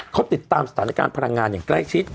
เขาติดตามสถานการณ์พลังงานอย่างใกล้ชิด